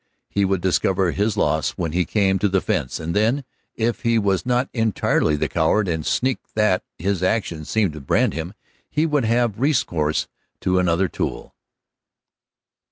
He would discover his loss when he came to the fence, and then, if he was not entirely the coward and sneak that his actions seemed to brand him, he would have recourse to another tool.